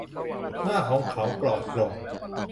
หน้าของเขาปลอดโปร่ง